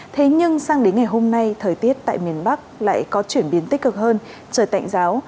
thế nhưng sang đến ngày hôm nay thời tiết tại miền bắc lại có chuyển biến tích cực hơn trời tạnh giáo